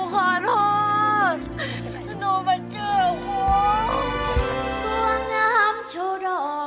ลูกขาหนูขอโทษหนูมาเจอกับลูก